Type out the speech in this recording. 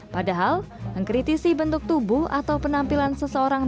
padahal mengkritisi bentuk tubuh atau penampilan seseorang